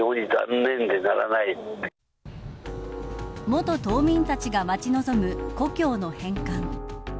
元島民たちが待ち望む故郷の返還。